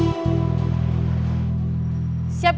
gak usah bawa ini